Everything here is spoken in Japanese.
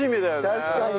確かに。